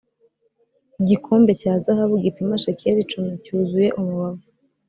igikombe cya zahabu gipima shekeli icumi cyuzuye umubavu